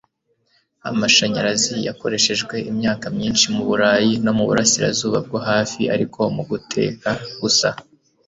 Amashanyarazi yakoreshejwe imyaka myinshi muburayi no muburasirazuba bwo hafi ariko muguteka gusa